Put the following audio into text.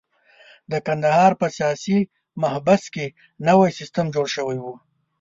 د کندهار په سیاسي محبس کې نوی سیستم جوړ شوی وو.